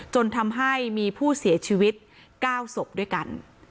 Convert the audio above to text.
จนทำให้มีผู้เสียชีวิต๙ศพด้วยกัน